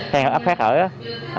hay áp phát ở đó